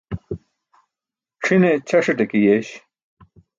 C̣ʰine ćʰasaṭe ke yeeś.